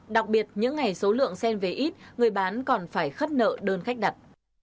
đặc biệt những ngày số lượng sen về ít người bán còn phải khất nợ đơn khách đặt